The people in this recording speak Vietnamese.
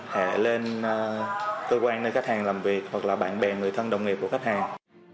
hệ lên cơ quan nơi khách hàng làm việc hoặc là bạn bè người thân đồng nghiệp của khách hàng